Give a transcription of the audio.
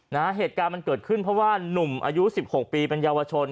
เหตุการณ์มันเกิดขึ้นเพราะว่านุ่มอายุสิบหกปีเป็นเยาวชน